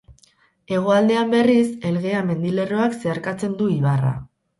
Hegoaldean, berriz, Elgea mendilerroak zeharkatzen du ibarra.